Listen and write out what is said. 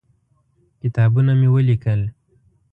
کتابونه مې ولیکل.